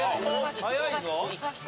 早いぞ！